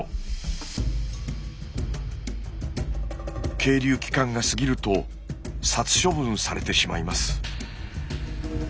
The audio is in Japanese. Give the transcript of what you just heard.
係留期間が過ぎると殺処分されてしまいます。